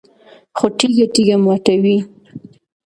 خو تیږه تیږه ماتوي